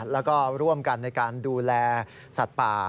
แล้วก็ร่วมกันในการดูแลสัตว์ป่า